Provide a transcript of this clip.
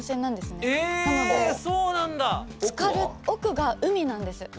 奧が海なんです。